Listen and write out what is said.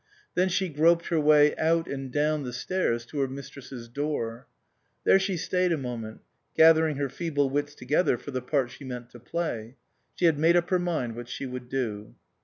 Then she groped her way out and down the stairs to her mistress's door. There she stayed a moment, gathering her feeble wits together for the part she meant to play. She had made up her mind what she would do.